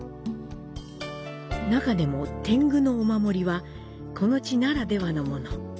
中でも天狗のお守りは、この地ならではのもの。